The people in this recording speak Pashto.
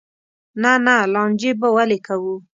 نه نه لانجې به ولې کوو.